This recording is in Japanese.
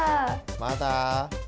まだ？